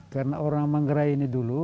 karena orang manggarai ini dulu